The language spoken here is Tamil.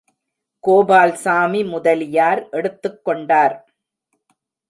கோபால்சாமி முதலியார் எடுத்துக்கொண்டார்.